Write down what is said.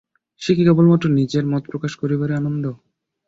সে কি কেবলমাত্র নিজের মত প্রকাশ করিবারই আনন্দ?